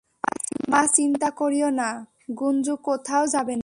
মা, চিন্তা করিও না, গুঞ্জু কোথাও যাবে না।